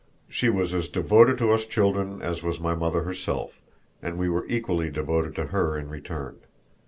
She was as devoted to us children as was my mother herself, and we were equally devoted to her in return.